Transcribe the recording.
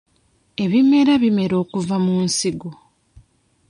Ebimera bimera kuva mu nsigo.